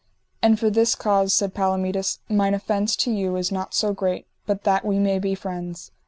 And for this cause, said Palomides: mine offence to you is not so great but that we may be friends.